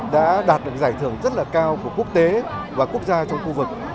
đã đạt được giải thưởng rất là cao của quốc tế và quốc gia trong khu vực